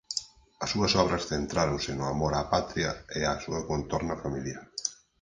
As súas obras centráronse no amor á patria e a súa contorna familiar.